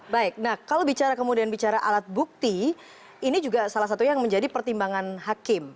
baik nah kalau bicara kemudian bicara alat bukti ini juga salah satu yang menjadi pertimbangan hakim